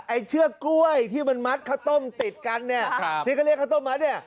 ไอ้เชื้อกล้วยที่มันมัดข้าวต้มติดกันที่เขาเรียกว่าข้าวต้มมัด